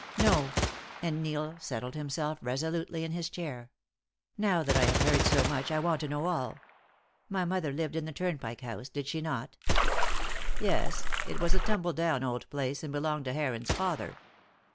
"No," and Neil settled himself resolutely in his chair. "Now that I have heard so much I want to know all. My mother lived in the Turnpike House, did she not?" "Yes; it was a tumble down old place, and belonged to Heron's father."